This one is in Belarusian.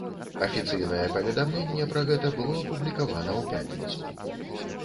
Афіцыйнае паведамленне пра гэта было апублікавана ў пятніцу.